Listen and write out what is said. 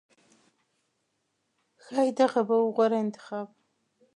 ښایي دغه به و غوره انتخاب